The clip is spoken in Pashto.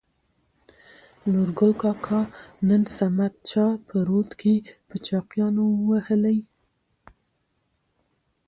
نورګل کاکا : نن صمد چا په رود کې په چاقيانو ووهلى.